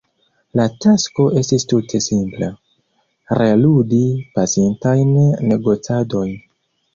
La tasko estis tute simpla: reludi pasintajn negocadojn.